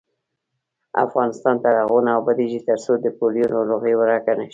افغانستان تر هغو نه ابادیږي، ترڅو د پولیو ناروغي ورکه نشي.